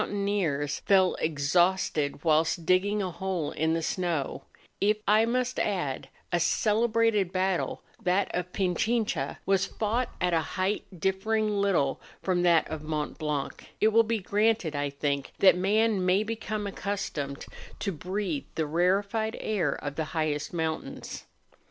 301 taineers fell exhausted whilst digging a hole in the snow; if, I must add, a celebrated battle, that of Pichincha, was fought at a height differing little from that of Mont Blanc, it will be granted, I think, that man may become accustomed to breathe the rarefied air of the highest mountains.